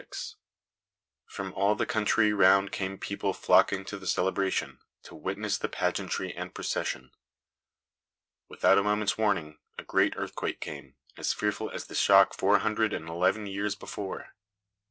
From all the country round came people flocking to the celebration, to witness the pageantry and procession. Without a moment's warning, a great earthquake came, as fearful as the shock four hundred and eleven years before.